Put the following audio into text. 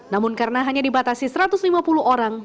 namun karena hanya dibatasi satu ratus lima puluh orang